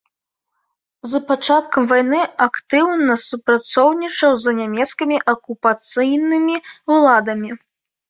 З пачаткам вайны актыўна супрацоўнічаў з нямецкімі акупацыйнымі ўладамі.